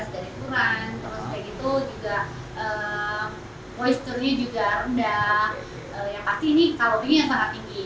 terus kayak gitu juga moisture nya juga rendah yang pasti ini kalorinya yang sangat tinggi